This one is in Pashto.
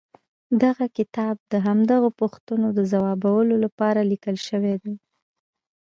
دغه کتاب د همدغو پوښتنو د ځوابولو لپاره ليکل شوی دی.